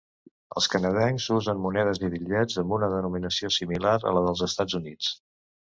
Els canadencs usen monedes i bitllets amb una denominació similar a les dels Estats Units.